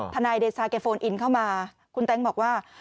นายเดชาแกโฟนอินเข้ามาคุณแต๊งบอกว่า